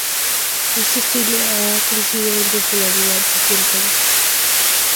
Este estilo ha crecido en popularidad desde entonces.